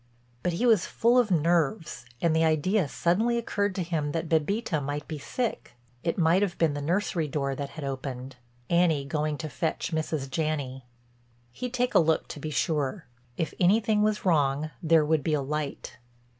But he was full of nerves, and the idea suddenly occurred to him that Bébita might be sick, it might have been the nursery door that had opened—Annie going to fetch Mrs. Janney. He'd take a look to be sure—if anything was wrong there would be a light.